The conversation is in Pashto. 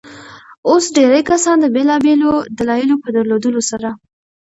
اوس ډېرى کسان د بېلابيلو دلايلو په درلودلو سره.